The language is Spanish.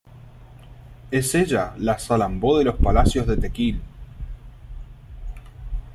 ¡ es ella , la Salambó de los palacios de Tequil !...